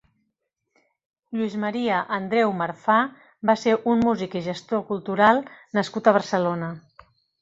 Lluis María Andreu Marfà va ser un músic i gestor cultural nascut a Barcelona.